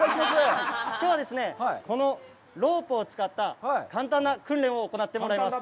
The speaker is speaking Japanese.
きょうはですね、このロープを使った簡単な訓練を行ってもらいます。